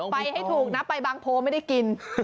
ไปให้ถูกนะไปบางโพไม่ได้กิน